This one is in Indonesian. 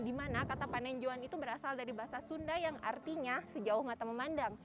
di mana kata panenjuan itu berasal dari bahasa sunda yang artinya sejauh mata memanda